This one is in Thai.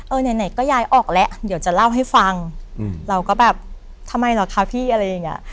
ไหนไหนก็ย้ายออกแล้วเดี๋ยวจะเล่าให้ฟังเราก็แบบทำไมเหรอคะพี่อะไรอย่างเงี้ย